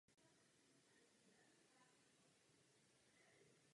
Léze se šíří a výhonky hynou.